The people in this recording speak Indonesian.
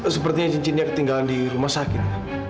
sepertinya cincinnya ketinggalan di rumah sakit